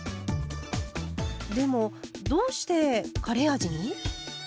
でもどうしてカレー味に？